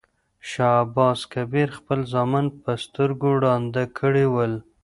شاه عباس کبیر خپل زامن په سترګو ړانده کړي ول.